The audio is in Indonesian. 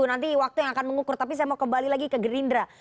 nanti waktu yang akan mengukur tapi saya mau kembali lagi ke gerindra